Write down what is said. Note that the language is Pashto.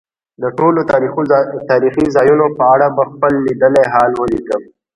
د ټولو تاریخي ځایونو په اړه به خپل لیدلی حال ولیکم.